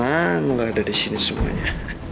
gua senang ga ada disini semuanya